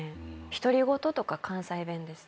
独り言とか関西弁です。